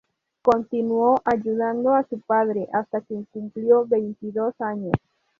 Continuó ayudando a su padre hasta que cumplió veintidós años.